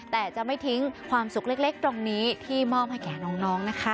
แต่จะไม่ทิ้งความสุขเล็กตรงนี้ที่มอบให้แก่น้องนะคะ